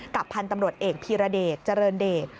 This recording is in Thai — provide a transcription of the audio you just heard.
พันธุ์ตำรวจเอกพีรเดชเจริญเดช